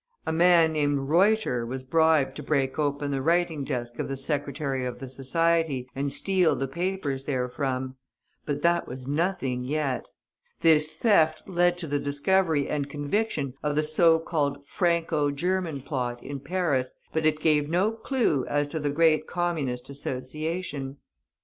A man named Reuter was bribed to break open the writing desk of the secretary of the Society, and steal the papers therefrom. But that was nothing yet. This theft led to the discovery and conviction of the so called Franco German plot, in Paris, but it gave no clue as to the great Communist Association.